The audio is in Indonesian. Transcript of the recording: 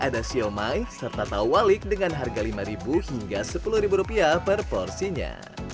ada siomay serta tau walik dengan harga lima hingga sepuluh rupiah per porsinya